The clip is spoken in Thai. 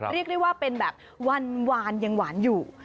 เรียกได้ว่าเป็นแบบหวานยังหวานอยู่